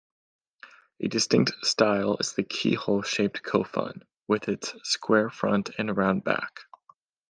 A distinct style is the keyhole-shaped kofun, with its square front and round back.